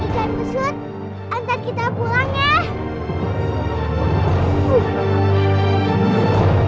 ikan pesut antar kita pulang ya